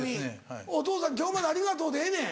「お父さん今日までありがとう」でええねん。